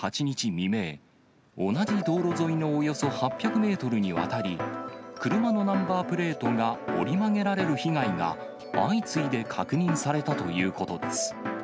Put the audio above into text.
未明、同じ道路沿いのおよそ８００メートルにわたり、車のナンバープレートが折り曲げられる被害が、相次いで確認されたということです。